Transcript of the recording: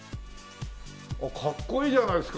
あっかっこいいじゃないですか。